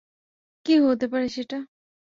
কী হতে পারে সেটা?